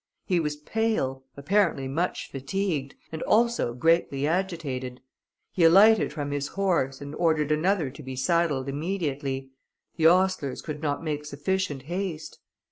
He was pale, apparently much fatigued, and also greatly agitated. He alighted from his horse, and ordered another to be saddled immediately; the ostlers could not make sufficient haste.